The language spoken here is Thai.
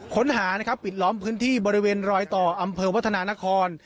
ค้นหานะครับปิดล้อมพื้นที่บริเวณรอยต่ออำเภอวัฒนานคร